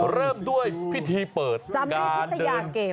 เริ่มด้วยพิธีเปิดการ